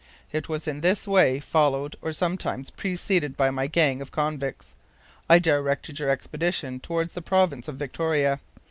It was in this way, followed or sometimes preceded by my gang of convicts, I directed your expedition toward the province of Victoria.